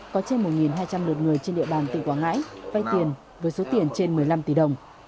có trên một hai trăm linh lượt người trên địa bàn tỉnh quảng ngãi vay tiền với số tiền trên một mươi năm tỷ đồng